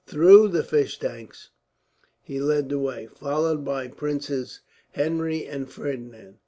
Through the fish tanks he led the way, followed by Princes Henry and Ferdinand.